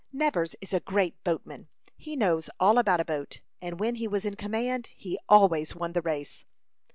"Nevers is a great boatman. He knows all about a boat, and when he was in command he always won the race."